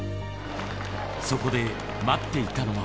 そこで、待っていたのは。